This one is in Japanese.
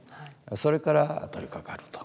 それから取りかかると。